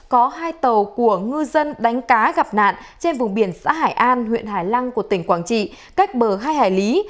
có hai tàu của ngư dân đánh cá gặp nạn trên vùng biển xã hải an huyện hải lăng của tỉnh quảng trị cách bờ hai hải lý